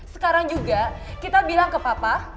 sekarang juga kita bilang ke papa